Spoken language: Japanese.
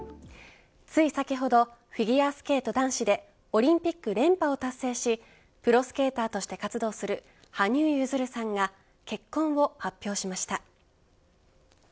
つい先ほどフィギュアスケート男子でオリンピック連覇を達成しプロスケーターとして活動する羽生結弦さんが結婚を発表しました。